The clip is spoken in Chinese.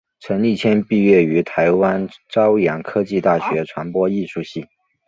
陈立谦毕业于台湾朝阳科技大学传播艺术系。